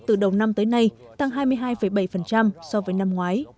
từ đầu năm tới nay tăng hai mươi hai bảy so với năm ngoái